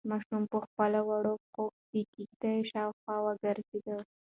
ماشوم په خپلو وړو پښو د کيږدۍ شاوخوا وګرځېد.